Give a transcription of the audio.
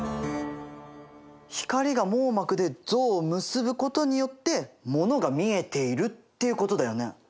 光が網膜で像を結ぶことによってものが見えているっていうことだよね。